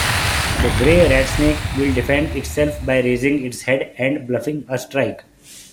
The gray ratsnake will defend itself by raising its head and bluffing a strike.